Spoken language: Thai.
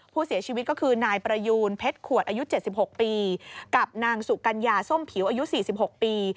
ผู้เสียชีวิตก็คือนายประยูนเพชรขวดอายุ๗๖ปีกับนางสุกัญญาส้มผิวอายุ๔๖ปี